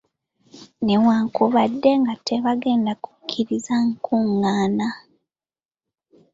Newankubadde nga tebagenda kukkiriza nkungaana.